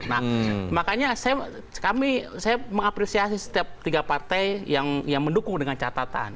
nah makanya saya mengapresiasi setiap tiga partai yang mendukung dengan catatan